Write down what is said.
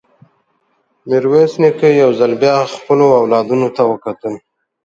ميرويس نيکه يو ځل بيا خپلو اولادونو ته وکتل.